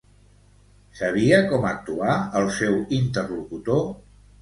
Sabia com actuar el seu interlocutor?